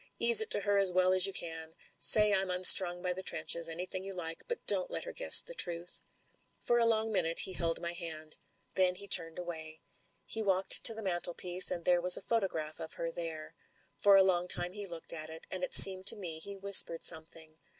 Ease it to her as well as you can. Say I'm unstrung by the trenches, anything you like ; but don't let her guess the truth." For a long minute he held my hand. Then he turned away. He walked to the mantelpiece, and there was a photograph of her there. For a long time he looked at it, and it seemed to me he whispered something.